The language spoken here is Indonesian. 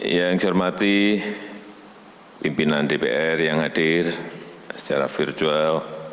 yang saya hormati pimpinan dpr yang hadir secara virtual